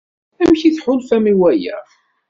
Amek i tḥulfam i waya?